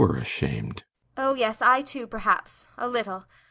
Oh yes, I too, perhaps a little.